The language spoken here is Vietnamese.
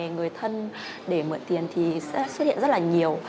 người thân để mượn tiền thì sẽ xuất hiện rất là nhiều